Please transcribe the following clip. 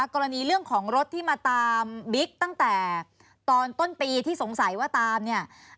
กรณีเรื่องของรถที่มาตามบิ๊กตั้งแต่ตอนต้นปีที่สงสัยว่าตามเนี่ย